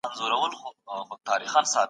آیا تاريخ ته د پېښو په سترګه ګورې؟